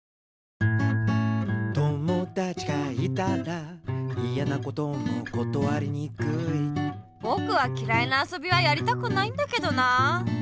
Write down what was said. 「友だちがいたらいやなこともことわりにくい」ぼくはきらいなあそびはやりたくないんだけどなあ。